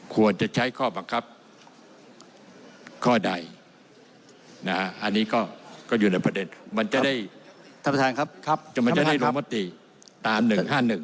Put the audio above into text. ควรจะใช้ข้อบังคับข้อใดอันนี้ก็อยู่ในประเด็นมันจะได้ลงมติตามหนึ่งห้านหนึ่ง